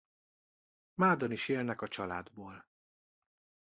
Mádon is élnek a családból.